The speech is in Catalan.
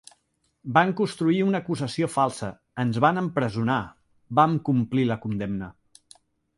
Van construir una acusació falsa, ens van empresonar, vam complir la condemna.